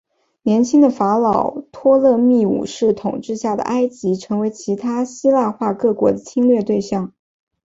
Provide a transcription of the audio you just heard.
年轻的法老托勒密五世统治下的埃及成为其他希腊化各国的侵略对象。